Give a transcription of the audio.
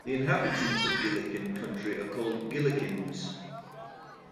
The inhabitants of Gillikin Country are called Gillikins.